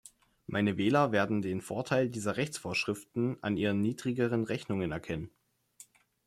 Meine Wähler werden den Vorteil dieser Rechtsvorschriften an ihren niedrigeren Rechnungen erkennen.